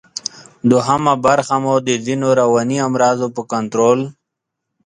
دوهمه برخه مو د ځینو رواني امراضو په کنټرول